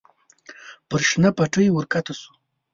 پر شنه پټي ور کښته شوه.